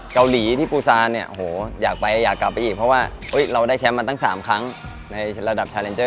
เกาหลีที่ปูซานเนี่ยโหอยากไปอยากกลับไปอีกเพราะว่าเราได้แชมป์มาตั้ง๓ครั้งในระดับชาเลนเจอร์